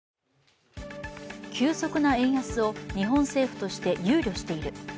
急速な円安を日本政府として憂慮している。